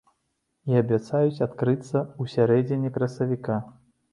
І абяцаюць адкрыцца ў сярэдзіне красавіка.